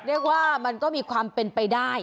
เรียกว่ามันก็มีความเป็นไปได้